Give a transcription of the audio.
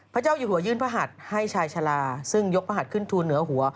เจ้าอยู่หัวยื่นพระหัสให้ชายชาลาซึ่งยกพระหัดขึ้นทูลเหนือหัว